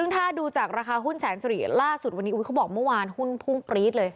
ถ้าดูจากราคาหุ้นแสนสุริล่าสุดวันนี้เขาบอกเมื่อวานหุ้นพุ่งปรี๊ดเลย